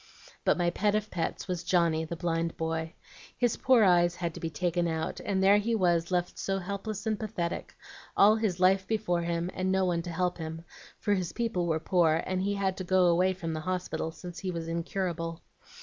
"But my pet of pets was Johnny, the blind boy. His poor eyes had to be taken out, and there he was left so helpless and pathetic, all his life before him, and no one to help him, for his people were poor and he had to go away from the hospital since he was incurable.